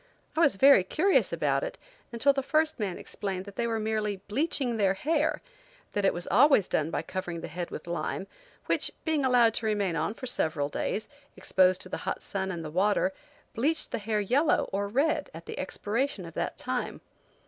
I was very curious about it until the first man explained that they were merely bleaching their hair; that it was always done by covering the head with lime, which, being allowed to remain on for several days, exposed to the hot sun and the water, bleached the hair yellow or red at the expiration of that time.